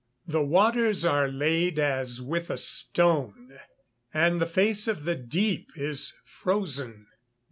[Verse: "The waters are laid as with a stone, and the face of the deep is frozen."